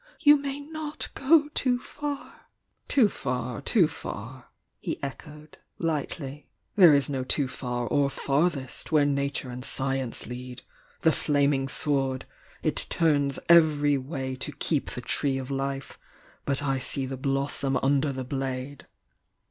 "You may not go too far!" "Too far, too far!" he echoed, lightly. "There is no too far or farthest where Nature and Science lead' The Flaming Sword!— it turns every way to keep the Tree of Life!— but I see the blossom under the blade!"